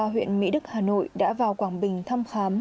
huyện mỹ đức hà nội đã vào quảng bình thăm khám